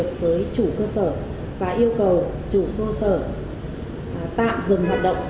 chủ cơ sở và yêu cầu chủ cơ sở tạm dừng hoạt động